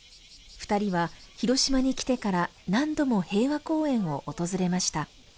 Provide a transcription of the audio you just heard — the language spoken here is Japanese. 二人は広島に来てから何度も平和公園を訪れました